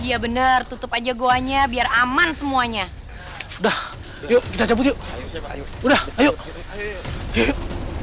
iya bener tutup aja gua nya biar aman semuanya udah yuk kita cabut yuk udah yuk yuk